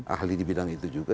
ahli di bidang itu juga